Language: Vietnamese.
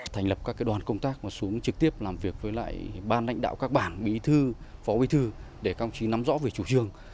thành lập các đoàn công tác và xuống trực tiếp làm việc với lại ban lãnh đạo các bản bí thư phó bí thư để các ông chí nắm rõ về chủ trương